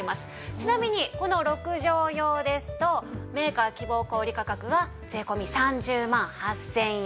ちなみにこの６畳用ですとメーカー希望小売価格は税込３０万８０００円。